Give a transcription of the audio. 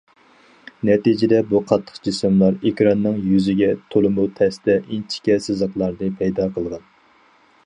نەتىجىدە، بۇ قاتتىق جىسىملار ئېكراننىڭ يۈزىگە تولىمۇ تەستە ئىنچىكە سىزىقلارنى پەيدا قىلغان.